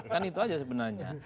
kan itu aja sebenarnya